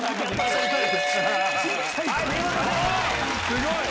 すごい！